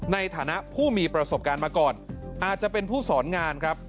ในฐานะผู้มีประสบการณ์มาก่อนอาจจะเป็นผู้สอนงานครับ